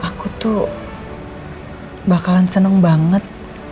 aku tuh bakalan seneng banget